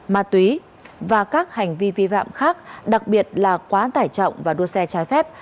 ma túy và các hành vi vi phạm khác đặc biệt là quá tải trọng và đua xe trái phép